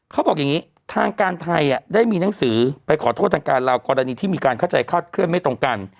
เขาบอกอย่างนี้ทางการไทยได้มีหนังสือไปขอโทษทางการลาวกรณีที่มีการเข้าใจคาดเคลื่อนไม่ตรงกัน